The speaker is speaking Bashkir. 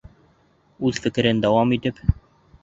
Үҙ фекерен дауам итеп: